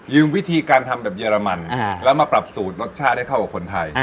วิธีการทำแบบเรมันแล้วมาปรับสูตรรสชาติให้เข้ากับคนไทย